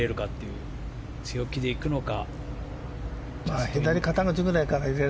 強気でいくのか。